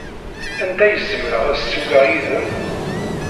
Anda ay zemreɣ ad ssiwleɣ yid-m?